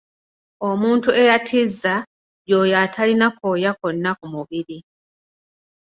Omuntu eyattiza y’oyo atalina kooya konna ku mubiri.